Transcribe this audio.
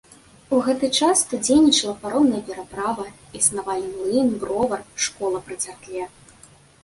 У гэты час тут дзейнічала паромная пераправа, існавалі млын, бровар, школа пры царкве.